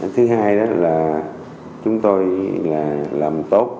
thứ hai là chúng tôi làm tốt